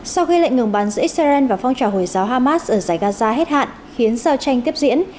sau khi lệnh ngừng bắn giữa israel và phong trào hồi giáo hamas ở giải gaza hết hạn khiến giao tranh tiếp diễn